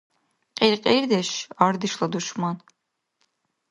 Кьиркьирдеш — арадешла душман.